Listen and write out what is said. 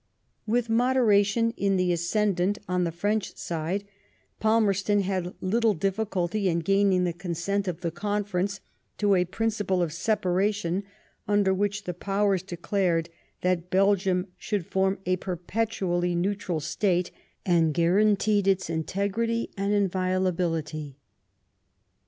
With moderation in the ascendant on the French side^ Palmerston had little difficulty in gaining the consent of the Conference to a principle of separation under which the Powers declared that Belgium should form a perpetually neutral state, and guaranteed its integrity and inviolability.